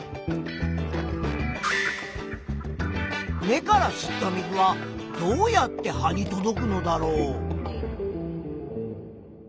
根から吸った水はどうやって葉に届くのだろう？